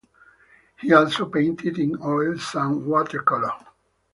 He also painted in oils and watercolor.